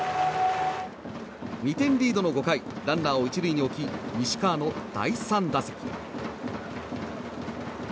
２点リードの５回ランナーを１塁に置き西川の第３打席。